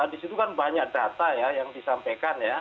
di situ kan banyak data ya yang disampaikan ya